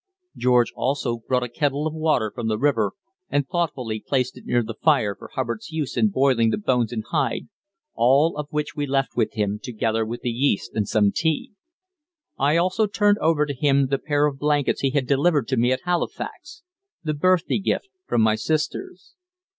George also brought a kettle of water from the river, and thoughtfully placed it near the fire for Hubbard's use in boiling the bones and hide, all of which we left with him together with the yeast and some tea. I also turned over to him the pair of blankets he had delivered to me at Halifax the birthday gift from my sisters.